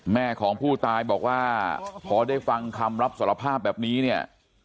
แม่ของผู้ตายบอกว่าพอได้ฟังคำรับสารภาพแบบนี้เนี่ย